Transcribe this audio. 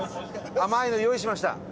甘いの用意しました。